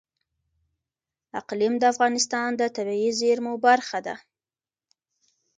اقلیم د افغانستان د طبیعي زیرمو برخه ده.